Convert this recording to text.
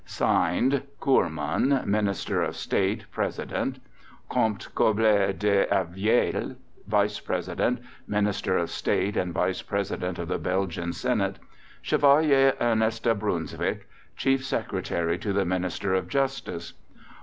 (Signed) COOREMAN, Minister of State, President. COMTE GOBLET DE AVIELLA, Vice President, Minister of State and Vice President of the Belgian Senate. CHEVALIER ERNEST DE BUNSWYCK, Chief Secretary to the Minister of Justice.